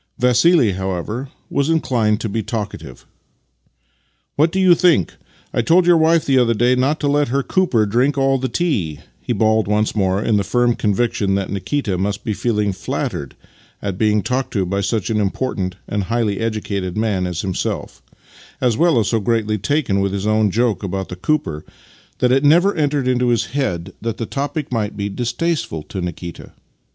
Vassili, however, was inclined to be talkative. " What do you think? I told your wife the other day not to let her cooper drink all the tea," he bawled once more, in the firm conviction that Nikita must be feeling flattered at being talked to by such an important and highly educated man as himself, as well as so greatly taken with his own joke about the cooper that it never entered into his head that the topic Master and Man 1 1 might be distasteful to Nikita.